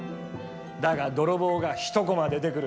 だが、泥棒が、一コマ出てくる。